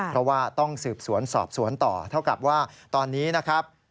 เพราะว่าต้องสืบสวนสอบสวนต่อเท่ากับว่าตอนนี้นะครับ